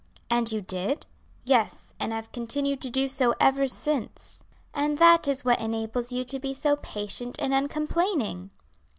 "And you did?" "Yes, and have continued to do so ever since." "And that is what enables you to be so patient and uncomplaining."